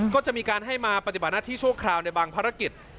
ก็จะมีการให้มาปฏิบัติหน้าที่ชั่วคราวในบางภารกิจ